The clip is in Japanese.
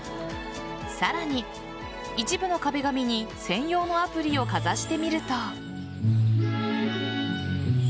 さらに一部の壁紙に専用のアプリをかざしてみると。